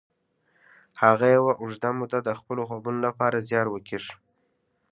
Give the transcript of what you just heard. هغه یوه اوږده موده د خپلو خوبونو لپاره زیار وکیښ